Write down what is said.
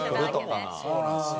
そうなんすよ。